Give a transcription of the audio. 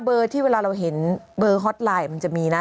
ที่เวลาเราเห็นเบอร์ฮอตไลน์มันจะมีนะ